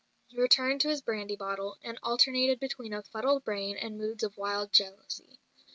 He returned to his brandy bottle, and alternated between a fuddled brain and moods of wild jealousy.